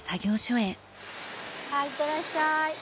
はいいってらっしゃい。